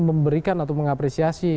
memberikan atau mengapresiasi